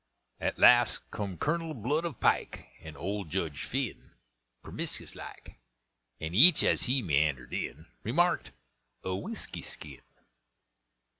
At last come Colonel Blood of Pike, And old Jedge Phinn, permiscus like, And each, as he meandered in, Remarked, "A whisky skin."